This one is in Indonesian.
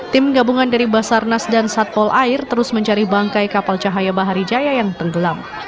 tim gabungan dari basarnas dan satpol air terus mencari bangkai kapal cahaya bahari jaya yang tenggelam